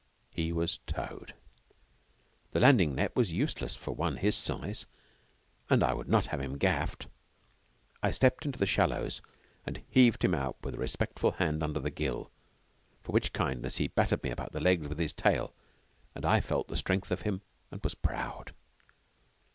He was towed. The landing net was useless for one of his size, and I would not have him gaffed. I stepped into the shallows and heaved him out with a respectful hand under the gill, for which kindness he battered me about the legs with his tail, and I felt the strength of him and was proud.